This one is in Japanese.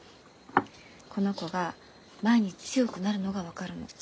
この子が毎日強くなるのが分かるの。